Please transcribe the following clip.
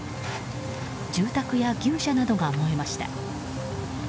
住宅や牛舎などが燃えました。